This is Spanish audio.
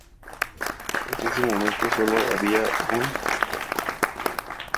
Antes de ese momento sólo había un ábside.